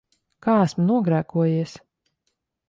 Kā esmu nogrēkojies?